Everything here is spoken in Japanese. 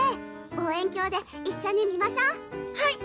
望遠鏡で一緒に見ましょはい！